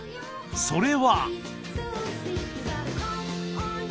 それは。